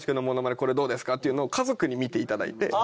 これどうですか？っていうのを家族に見て頂いて。